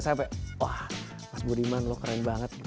saya kayak wah mas budiman lo keren banget